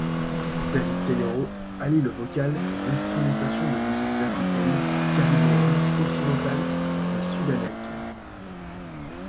David Tayorault allie le vocal et l’instrumentation de musiques africaines, caribéenne, occidentales et sud-américaine.